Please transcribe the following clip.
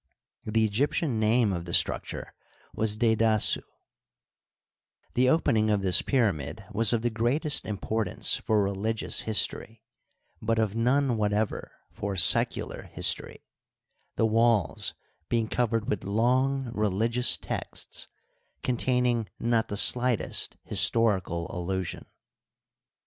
The Egyptian name of the structure was Dedasu, The open ing of this pyramid was of the greatest importance for religious history, but of none whatever for secular history, the walls being covered with long religious texts, contain ing not the slightest historical allusion.